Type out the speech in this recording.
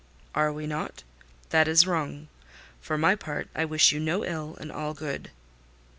"Are we not? That is wrong. For my part, I wish you no ill and all good."